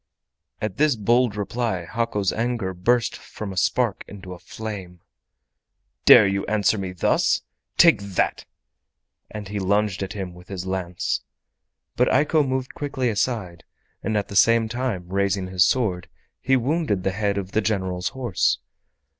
At this bold reply Hako's anger burst from a spark into a flame. "Dare you answer me thus? Take that," and he lunged at him with his lance. But Eiko moved quickly aside, and at the same time, raising his sword, he wounded the head of the General's horse.